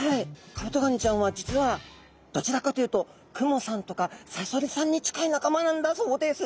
カブトガニちゃんは実はどちらかというとクモさんとかサソリさんに近い仲間なんだそうです。